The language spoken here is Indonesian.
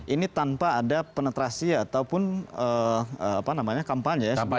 ini tanpa ada penetrasi ataupun apa namanya kampanye ya